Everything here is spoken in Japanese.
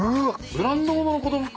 ブランド物の子供服